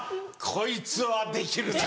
こいつはできるな！と。